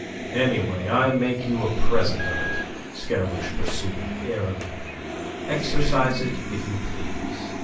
"Anyway, I make you a present of it," Scaramouche pursued, airily. "Exercise it if you please.